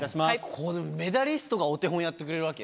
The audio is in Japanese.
ここでメダリストがお手本やってくれるわけ？